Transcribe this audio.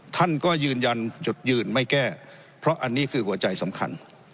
ท่านก็ยืนยันจุดยืนไม่แก้เพราะอันนี้คือหัวใจสำคัญ